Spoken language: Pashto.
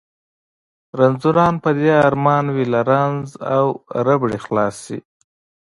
رنځوران په دې ارمان وي له رنځ او ربړې خلاص شي.